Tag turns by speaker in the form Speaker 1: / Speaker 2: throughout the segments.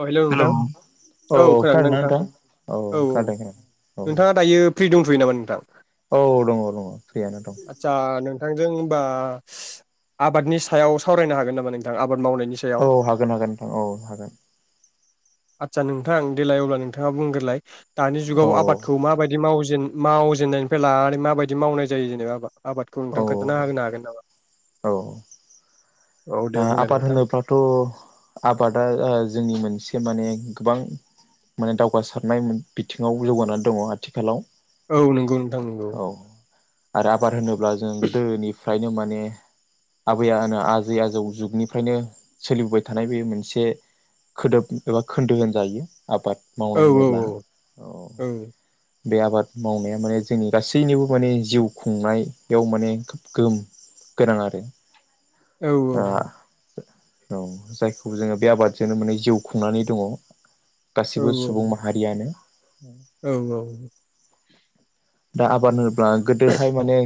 Speaker 1: अ hello
Speaker 2: hello
Speaker 1: नोंथां औ खोनादोंना नोंथां औ औ
Speaker 2: नोंथां
Speaker 1: नोंथाङा दायो। फ्रि दंथ'यो नामा नोंथां?
Speaker 2: औ दङ' दङ' फ्रियानो दं।
Speaker 1: जों होनबा आबादनि सायाव सावरायनो हागोन नामा नोंथां आ
Speaker 2: औ हागोन हागोन नोंथां औ हागोन।
Speaker 1: आदसा नोंथां देलाय अब्ला नोंथाङा बुंग्रोलाय। दानि
Speaker 2: औ
Speaker 1: जुगाव आबादखौ माबायदि मावजेन मावजेननायनिफ्राय लानानै माबायदि मावनाय जायो जेनेबा। आबादखौ
Speaker 2: औ
Speaker 1: नोंथां खोन्थाना होनो हागोन नामा।
Speaker 2: औ।
Speaker 1: औ दे
Speaker 2: ओ
Speaker 1: बुंलाय
Speaker 2: आबाद
Speaker 1: नोंथां
Speaker 2: होनोबाथ' आबादा ओ जोंनि मोन से माने गोबां माने दावगासारनाय बिथिङाव जौगानानै दङ' आथिखालाव।
Speaker 1: औ नंगौ नोंथां नंगौ।
Speaker 2: औ आरो आबाद होनो ब्ला जों गोदोनि फ्रायनो माने आबै जै आजौ जुगनिफ्रायनो सोलिबोबाय थानाय बे मोनसे खोदोब एबा खोन्दो होनजायो। आबाद
Speaker 1: औ
Speaker 2: मावनाय होनोब्ला औ। बे आबाद मावनाया माने जोंनि गासैनिबो माने जिउ खुंनायाव माने खोब गोहोम गोनां आरो।
Speaker 1: औ औ
Speaker 2: ओ
Speaker 1: औ
Speaker 2: औ जायखौ जोङो बे आबादजोंनो माने जिउ खुंनानै दङ।
Speaker 1: औ
Speaker 2: गासिबो सुबुं माहारियानो।
Speaker 1: औ
Speaker 2: दा आबादानो। बा गोदोहाय माने।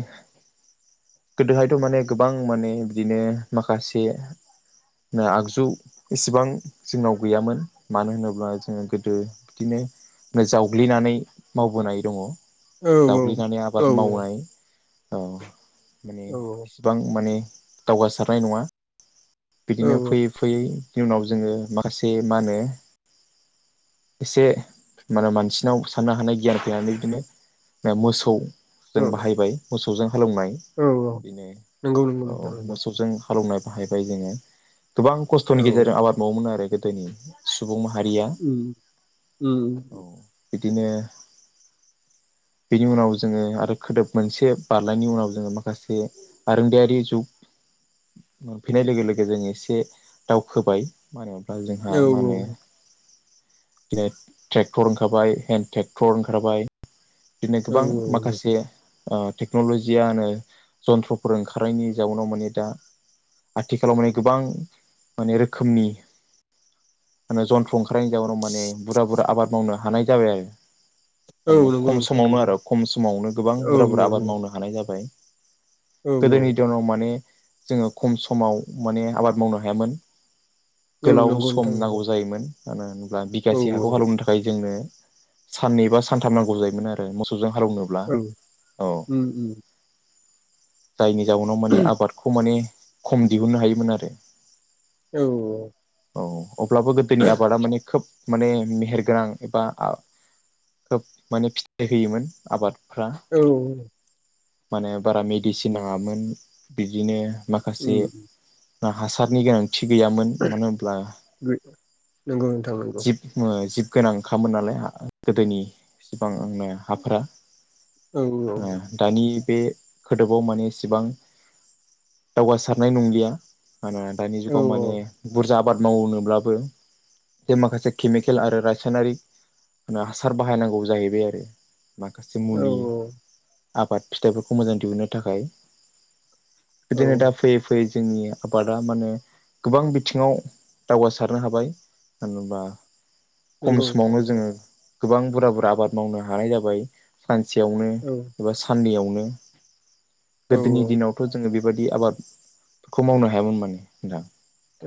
Speaker 2: गोदोहायथ' माने गोबां माने बिदिनो माखासे आगजु इसेबां जोंनाव गैयामोन मानो होनोब्ला जोङो गोदो बिदिनो जावग्लिनानै मावबोनाय दङ। जावग्लिनानै
Speaker 1: औ
Speaker 2: आबाद मावनाय। औ माने इसिबां माने। दावगासारनाय नङा। बिदिनो फैयै फैयै। बिनि उनाव जोङो माखासे मा होनो एसे मा होनो मानसिनाव साननो हानाय गियान फैनानै बिदिनो। मोसौ
Speaker 1: औ
Speaker 2: जों बाहायबाय मोसौ। फुजों‌ हालौनाय
Speaker 1: औ औ
Speaker 2: बिनो
Speaker 1: नंगौ नंगौ
Speaker 2: औ
Speaker 1: नोंथां नंगौ
Speaker 2: मोसौजों। हालौनो बाहायबाय जोंङो गोबां
Speaker 1: औ
Speaker 2: खस्थ'नि गेजेरजों आबाद मावोमोन आरो गोद दैनि सु
Speaker 1: उम उम
Speaker 2: औ बिदिनो बिनि उनाव जोंङो आरो खोदोब मोनसे बारनयनि उनाव जोंङो माखासे आरोंदायारि जुग मोनफैनाय लोगो लोगो जोङो एसे दावखोबाय मा होनो बा जोंहा
Speaker 1: औ
Speaker 2: मा होनो। ग्लेद ट्रेक्टर ओंखारबाय हेन ट्रेक्टर ओंखारबाय। दिनै
Speaker 1: औ
Speaker 2: गोबां माखासे ओ टेक्नलजि आनो जन्थ्रफोर ओंखारनायनि जाउनाव माने दा आथिखालाव माने गोबां माने रोखोमनि मोनो जन्थ्र ओंखा। फ्रायन जावनाव माने बुरा बुरा आब मावनो। हानाय जाबाय आरो।
Speaker 1: औ
Speaker 2: थारमाने
Speaker 1: नंगौ
Speaker 2: खम
Speaker 1: नोंथां
Speaker 2: समावनो
Speaker 1: नंगौ
Speaker 2: आरो खम समावनो गोबां
Speaker 1: औ
Speaker 2: बुरा बुरा आबाद
Speaker 1: औ
Speaker 2: मावनो हानाय जाबाय।
Speaker 1: औ
Speaker 2: गोदोनि
Speaker 1: औ
Speaker 2: दरम माने जोंङो खम समाव माने आबाद मावनो हायामोन।
Speaker 1: ओं
Speaker 2: गोलाव
Speaker 1: नंगौ
Speaker 2: सम
Speaker 1: नोंथां
Speaker 2: नांगौ
Speaker 1: नंगौ
Speaker 2: जायोमोन। [unintelligible] बा
Speaker 1: औ
Speaker 2: बिगासे हाखौ हालौनो थाखाय जोंनो। साननै बा सानथाम नांगौ जाय मोन आरो मोसौ जों हालौनोब्ला
Speaker 1: औ
Speaker 2: औ।
Speaker 1: उम उम
Speaker 2: जायनि जाउनाव माने आबादखौ माने। खम दिहुननो हायोमोन आरो।
Speaker 1: औ।
Speaker 2: औ। अब्लाबो गोदोनि आबादा माने खोब। माने मेहेर गोनां एबा आ खोब माने फिथ एरहोयोमोन आबाद
Speaker 1: औ
Speaker 2: माने बारा मेडिसिन नाङामोन बिदिनो माखासे।
Speaker 1: उम
Speaker 2: आ हासारनि गोनां थि गैयामोन मानो होनब्ला
Speaker 1: नंगौ नोंथां नंगौ
Speaker 2: जिब ओ जिब गोनां खामोन नालाय हा गोदोनि फिफां आंना हाफोरा
Speaker 1: औ
Speaker 2: ओ दानि बे खोदोबाव माने एसेबां दावगासारनाय नंलिया आंना दानि
Speaker 1: औ
Speaker 2: जुगाव मानि बुर जा आबाद मावनोब्लाबो जे माखासे केमिकेल आरो रासायनारिक हासार बाहायनांगौ जाहैबाय आ रो माखासे
Speaker 1: औ
Speaker 2: मुलि आबाद फिथाइफोरखौ मोजां दिहुननो थाखाय
Speaker 1: औ
Speaker 2: बेदिनो दा फैयै फैयै जोंनि आबादा माने गोबां बिथिङाव दावगासारनो हाबाय मानो होनबा खम
Speaker 1: नंगौ नोंथां
Speaker 2: समावनो
Speaker 1: नंगौ
Speaker 2: जोङो गोबां बुरा बुरा आबाद मावनो हानाय जाबाय सान सेयावनो
Speaker 1: औ
Speaker 2: एबा सानदियाव मोनो
Speaker 1: औ
Speaker 2: गोदोनि दिनावथ' जोङो बिब बेबायदि आबादखौ मावनो हायोमोन माने दा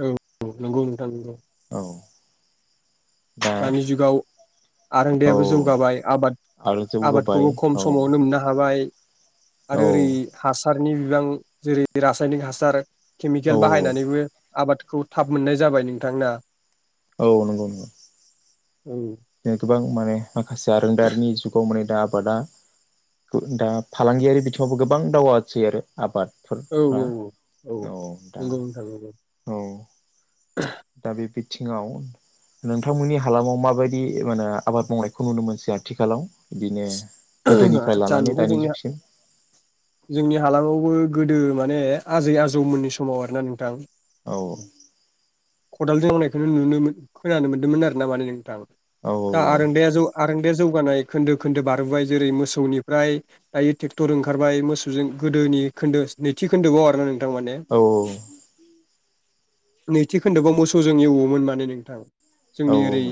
Speaker 1: औ नंगौ नोंथां नंगौ
Speaker 2: अह
Speaker 1: दानि जुगाव
Speaker 2: औ
Speaker 1: आरोंदायाबो जौगाबाय आबाद
Speaker 2: आरो जौगाबाय
Speaker 1: आबादखौबो खम
Speaker 2: औ
Speaker 1: समावनो मोननो हाबाय।
Speaker 2: औ
Speaker 1: आरो ओरै हासार हानि बिबां जेरै रासायनिक हासार
Speaker 2: औ
Speaker 1: केमिकेल बाहायनानैबो आबाद खौ थाब मोननाय जाबाय नोंथांना
Speaker 2: औ नंगौ नंगौ
Speaker 1: औ
Speaker 2: ए गोबां माने माखासे आरोंदारिनि जुगाव माने दा आबादा दा फालांगियारि बिथिङावबो गोबां दावगासै आरो आबाद
Speaker 1: औ औ औ औ नोंगौ नोथां नोंगौ।
Speaker 2: औ दा बे बिथिङाव नोंथांमोननि हालामाव माबायदि माने आबाद मावनायखौ नुनो मोनसै आथिखालाव? बिदिनो गोदोनिफ्राय
Speaker 1: आतसा
Speaker 2: लानानै
Speaker 1: नोंथाङा
Speaker 2: दानि
Speaker 1: जोंनि
Speaker 2: जुगसिम
Speaker 1: जोंनि हालामावबो गोदो माने आजै आजौमोननि समाव आरोना नोंथां
Speaker 2: औ
Speaker 1: खदालजों [unintelligible] खौनो नुनो खोनानो मोनदोंमोन आरोना माने नोंथां।
Speaker 2: औ
Speaker 1: दा आरोंदाया जौ आरोंदाया जौ [unintelligible] नाय खोन्दो खोन्दो बारबोबाय जेरै मोसौनिफ्राय दायो ट्रेक्टर ओंखारबाय मोसौजों गोदोनि खोन्दो नैथि खोन्दोबआव आरो ना नों
Speaker 2: औ औ
Speaker 1: नैथि खोन्दोबआव मोसौजों एवोमोन माने नोंथां।
Speaker 2: औ
Speaker 1: जोंनि ओरै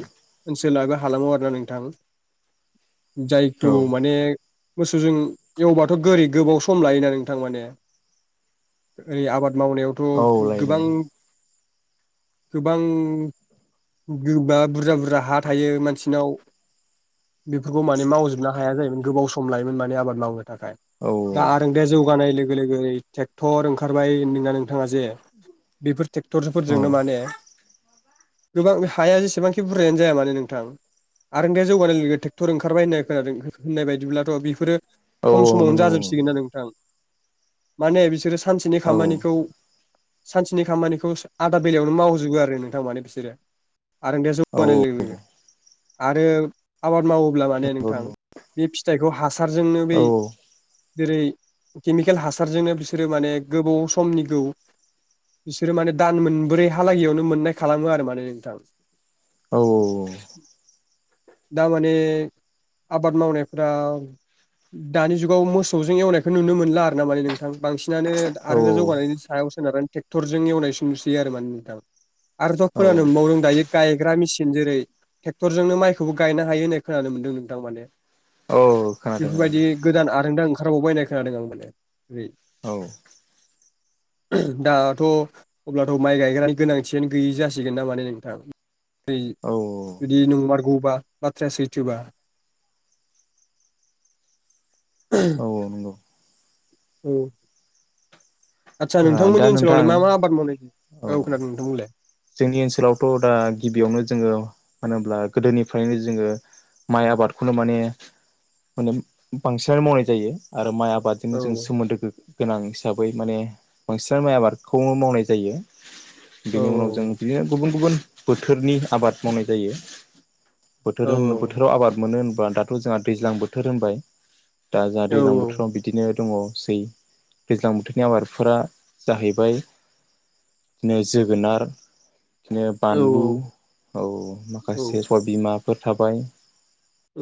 Speaker 1: ओनसो सोल आरो हालामाव आरोना नोंथां
Speaker 2: औ
Speaker 1: जायखौ माने मोसौजों एवबाथ' गोरै ओरै गोबाव सम लायोना नोंथां माने ओरै आबाद मावनायावथ'
Speaker 2: औ लायनो
Speaker 1: गोबां गोबां गोबा बुरजा बुरजा हा थायो मानसिनाव बेफ [unintelligible] खौ माने मावजोबनो हाया जायोमोन गोबाव सम लायोमोन माने आबाद मावनो
Speaker 2: औ
Speaker 1: दा आरोंदाया जौगानाय लोग लोगो लोगो ट्रेक्टर ओंखारबाय होनदोंना नोंथाङा जे बेफोर
Speaker 2: औ
Speaker 1: ट्रेक्टरफोरजोंनो माने गोबां हाया जेसेबांखि बुरजायानो जाया मानो नोंथां आरोंदाया जौगानाय लोगो ओंखारबाय होननाय खोनादों होननाय बायदिब्लाथ' बेफोरो
Speaker 2: औ
Speaker 1: खम समावनो
Speaker 2: नंगौ
Speaker 1: जाजोबसिगोन ना नोंथां। माने बिसोरो सानसेनि
Speaker 2: औ
Speaker 1: खामानिखौ सानसेनि खामानिखौ आदा बेलायावनो मावजोबो आरो नोंथां माने बिसोरो। आरोंदाया
Speaker 2: औ
Speaker 1: जौगानाय लोगो लोगो। आरो आबाद मावो अब्ला माने
Speaker 2: औ
Speaker 1: नोंथां बेनि फिथाइ खौ हास सारजोंनो बै
Speaker 2: औ
Speaker 1: जेरै केमिकेल हासारजोंनो बिसोरो माने गोबाव समनि गौ बिसोरो माने दान मोनब्रै हालागैयावनो मोननाय खालामो आरो माने नोंथां।
Speaker 2: औ औ औ।
Speaker 1: दा माने आबाद मावनायफोरा दानि जुगाव मोसौजों एवनायखौ नुनो मोनला आर ना माने नोंथां बांसिन सिनानो
Speaker 2: औ
Speaker 1: आरो जौगानायनि सायाव [unintelligible] टेक्टरजों एवनायसो नुसयो आरो मान आरोथ'
Speaker 2: औ
Speaker 1: खोनानो मोनबावदों दायो गायग्रा मेसिन जेरै टेक्टरजोंनो माइखौबो गायनो हायो होननाय खोनानो मोन्दों नोंथां माने।
Speaker 2: औ खोनादों
Speaker 1: बेफोरबायदि
Speaker 2: खोनादों
Speaker 1: गोदान आ नोंदां ओंखारबावबाय होननाय खोनादों आं माने ओरै
Speaker 2: औ
Speaker 1: दाथ' अब्लाथ' माइ गायग्रानि गोनांथियानो गैयि जासिगोन ना माने नोंथां। नै
Speaker 2: औ
Speaker 1: जुदि नोंबा गौबा बााथ्रायासै जोबा।
Speaker 2: औ नंगौ
Speaker 1: औ। आदसा
Speaker 2: दा
Speaker 1: नोंथांनि
Speaker 2: नोंथां
Speaker 1: ओनसोलावलाय मा मा आबाद मावनाय औ खोनादों नोंथां बुंलाय।
Speaker 2: जोंनि ओनसोलावथ' दा गिबियावनो जोङो मानो होनोम्ला गोदोनिफ्रायनो जोङो माइ आबादखौनो माने माने बांसिनानो मावनाय जायो आरो माइ आबाद आबादजोंनो
Speaker 1: औ
Speaker 2: जों सोमोन्दोगो गोनां हिसाबै माने बांसिनानो माइ आबादखौ मावनाय जायो।
Speaker 1: औ
Speaker 2: बिनि उनाव जों बिदिनो गुबुन गुबुन बोथोरनि आबाद मावनाय जायो। बोथोर
Speaker 1: औ
Speaker 2: होन
Speaker 1: औ औ।
Speaker 2: बोथोराव आबाद मोनो दाथ' जोंहा दैज्लां बोथोर होनबाय दा जोंहा
Speaker 1: औ
Speaker 2: दैजलां बोथोराव बिदिनो दङ सै दैज्लां बोथोरनि आबादफोरा जाहैबाय बिदिनो जोगोनार बिदिनो
Speaker 1: औ
Speaker 2: बानलु औ
Speaker 1: औ
Speaker 2: माखासे सबिमा थाबाय
Speaker 1: औ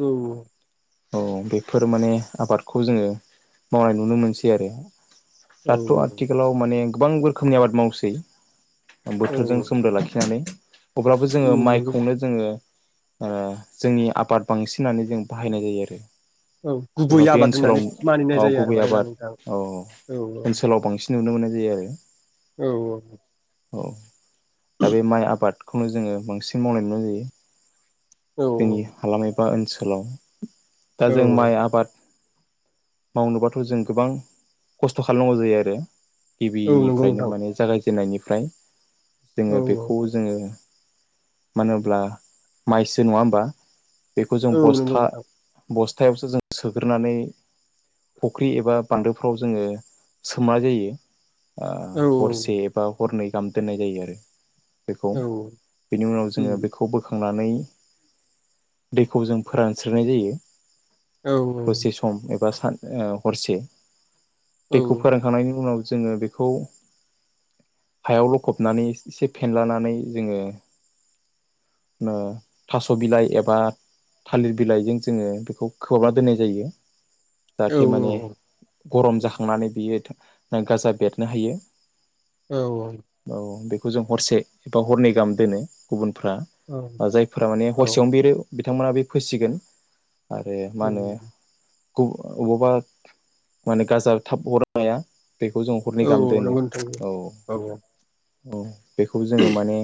Speaker 2: औ बेफोर माने आबादखौ जोङो मावनाय नुनो मोनसै आरो
Speaker 1: औ
Speaker 2: दाथ' आथिखालाव माने गोबां रोखोमनि आबाद मावसै
Speaker 1: औ
Speaker 2: बोथोरजों लाखिनानै अब्लाबो जोङो
Speaker 1: उम नंगौ नोंथां
Speaker 2: माइखौनो जोङो ओ जोंनि आबाद बांसिनानो जों बाहायनाय जायो आरो
Speaker 1: औ गुबै
Speaker 2: एबा बे
Speaker 1: आबाद
Speaker 2: ओनसोलाव
Speaker 1: होननानै
Speaker 2: औ
Speaker 1: मानिनाय जायो आरो
Speaker 2: गुबै
Speaker 1: माने ना
Speaker 2: आबाद
Speaker 1: नोंथां औ औ
Speaker 2: ओनसोलाव बांसिन नुनो मोननाय जायो आरो
Speaker 1: औ औ
Speaker 2: औ दा बे माइ आबाद खौनो जोङो बांसिन मावनाय नुनाय जायो
Speaker 1: औ
Speaker 2: जोंनि हालामाय बा ओनसोलाव दा
Speaker 1: औ
Speaker 2: जों माइ आबाद मावनोबाथ' जों गोबां खस्थ' खालामनांगौ जायो आरो गिबि
Speaker 1: औ नंगौ
Speaker 2: निफ्रायनो
Speaker 1: नोंथां
Speaker 2: माने जागाय जेननायनिफ्राय
Speaker 1: औ
Speaker 2: जोङो बेखौ जोङो मानो होब्ला माइसो नङा होमबा बेखौ जों
Speaker 1: औ नंगौ
Speaker 2: बस्था
Speaker 1: नोंथां
Speaker 2: बस्था यावसो जों सोग्रोनानै फुख्रि एबा बान्दोफ्राव जोङो सोमनाय जायो ओ
Speaker 1: औ
Speaker 2: हरसेबाव हरनै गाहाम दोन्नाय जायो आरो बेखौ
Speaker 1: औ
Speaker 2: बेनि उनाव जोङो
Speaker 1: उम
Speaker 2: बेखौ बोखांनानै दैखौ जों फोरानस्रोनाय जायो
Speaker 1: औ औ
Speaker 2: सा ओ हरसे
Speaker 1: औ
Speaker 2: दैखौ फोरानखांनायनि उनाव जोङो बेखौ हायाव लखबनानै एसे फेनलानानै जोङो ओ थास' बिलाइ एबा थालिर बिलाइजों जोङो बेखौ खोबना दोननाय जायो।
Speaker 1: औ
Speaker 2: जाहाथे माने, गरम जाखांनानै बियो थो गाजा बेरनो हायो।
Speaker 1: औ औ।
Speaker 2: जों हरसे एबा हरनै गाहाम दोनो गुबुन फ्रा
Speaker 1: औ
Speaker 2: जायफ्रा माने हरसेयावनो बेरो बिथांमोना बे फोसिगोन। आरो मा होनो औ अबाबा माने गाजा थाब हरनो हाया। बेखौ जों हरनै गाहाम दोनो औ। औ बेखौ जोङो माने,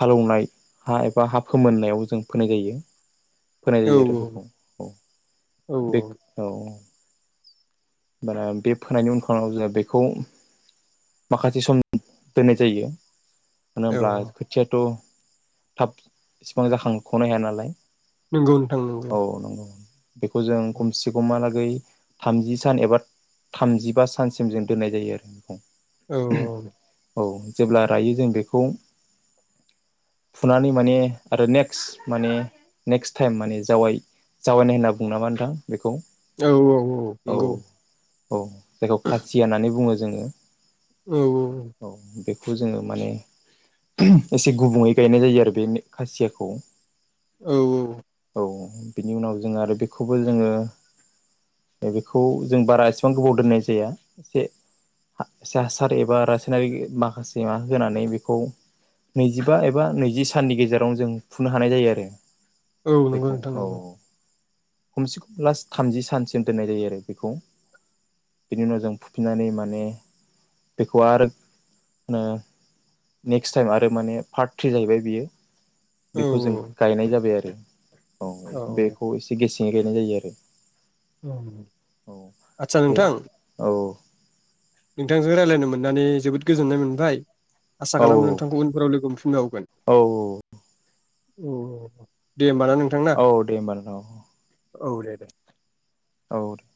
Speaker 2: हालौनाय हा एबा हा फोमोननायाव जों फोनाय जायो। फोनाय जायो आरो बेखौ औ बेख औ। बारा बे फोनायनि उनथाराव जोङो बेखौ माखासे समनि दोननाय जायो। होनोब्ला खोथियाथ' थाब इसिबां जाखांख'नो हायानालाय।
Speaker 1: नोंगौ नोंथां नोंगौ।
Speaker 2: बेखौ जों खमसि खमहा लाग ओइ थामजि सान एबा थामजिबा सानसिम जों दोननाय जायो आरो बेखौ।
Speaker 1: औ औ औ।
Speaker 2: औ जेब्ला रायो जों बेखौ फुनानै माने आरो नेक्स्ट माने नेक्स्ट टाइम माने जावाय जावायनाय होनना बुङो नामा नोंथां? बेखौ
Speaker 1: औ औ औ नंगौ।
Speaker 2: औ औ। जायखौ खासिया होननानै बुङो। जोङो,
Speaker 1: औ औ औ।
Speaker 2: औ दे। खौ जोङो माने उमह एसे गुबुनङै गायनाय जायो आरो बे खासियाखौ।
Speaker 1: औ औ।
Speaker 2: औ बिनि उनाव जों आरो बेखौबो जोङो बेखौ जों बारा एसेबां गोबाव दोननाय जाया एसे हा हासार‌ एबा नारि माखासे माबा होनानै बेखौ नैजिबा एबा नैजि साननि गेजेराव जों फुनो हानाय जायो आरो।
Speaker 1: औ नंगौ
Speaker 2: बेखौ
Speaker 1: नोंथां
Speaker 2: औ
Speaker 1: नंगौ।
Speaker 2: खमसे खम लास थामजि सानसिम दोननाय जायो आरो बेखौ बेनि उनाव जों फुफिननानै माने बेखौ आरो नो नेक्स्ट टाइम आरो माने पार्ट थ्रि जाहैबाय बियो
Speaker 1: औ
Speaker 2: बेखौ जों गायनाय जाबाय आरो अ
Speaker 1: औ
Speaker 2: बेखौ एसे गे गायनाय जायो आरो औ
Speaker 1: आतसा
Speaker 2: बे
Speaker 1: नोंथां
Speaker 2: औ
Speaker 1: नोंथांजों रायज्लायनो मोननानै जोबोद गोजोननाय मोनबाय आसा
Speaker 2: औ
Speaker 1: खालामो नोंथांखौ उनफोराव लोगो मोनफिनबावगोन
Speaker 2: औ
Speaker 1: औ दे होम
Speaker 2: औ दे होमबा
Speaker 1: औ दे- दे
Speaker 2: औ